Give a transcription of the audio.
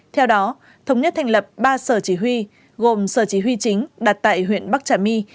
theo đó thống nhất thành lập ba sở chỉ huy gồm sở chỉ huy chính đặt tại huyện bắc trà my